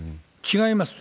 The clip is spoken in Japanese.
違いますと。